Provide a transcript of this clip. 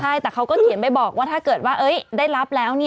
ใช่แต่เขาก็เขียนไปบอกว่าถ้าเกิดว่าได้รับแล้ว